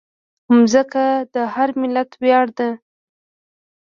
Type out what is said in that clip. مځکه د هر ملت ویاړ ده.